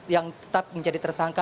yang tetap menjadi tersangka